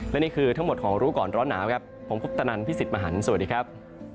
และนี่คือทั้งหมดของรู้ก่อนร้อนหนาวครับผมคุปตนันพี่สิทธิ์มหันฯสวัสดีครับ